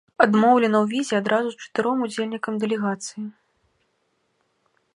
Адмоўлена ў візе адразу чатыром удзельнікам дэлегацыі.